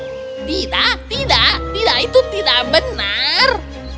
tidak tidak itu tidak benar